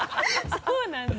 そうなんだ。